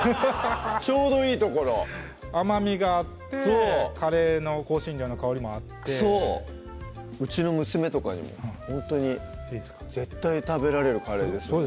ちょうどいい所甘みがあってカレーの香辛料の香りもあってそううちの娘とかにもほんとに絶対食べられるカレーですよね